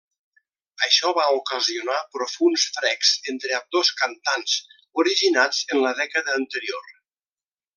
Això va ocasionar profunds frecs entre ambdós cantants originats en la dècada anterior.